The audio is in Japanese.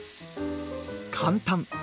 簡単！